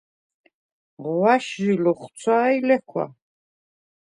ღვაშ ჟი ლოხცვა ი ლექვა.